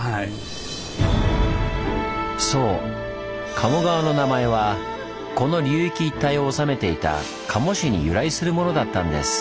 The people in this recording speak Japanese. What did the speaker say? そう「賀茂川」の名前はこの流域一帯を治めていた賀茂氏に由来するものだったんです。